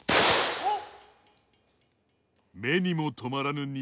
目にも留まらぬ